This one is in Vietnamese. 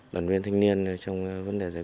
đoàn viên thanh niên trong vấn đề giải